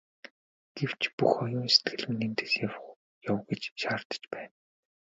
Гэвч бүх оюун сэтгэл минь эндээс яв гэж шаардаж байна.